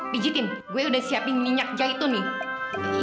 bijitin gue udah siapin minyak jahit tuh nih